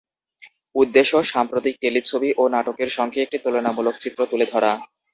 উদ্দেশ্য, সাম্প্রতিক টেলিছবি ও নাটকের সঙ্গে একটা তুলনামূলক চিত্র তুলে ধরা।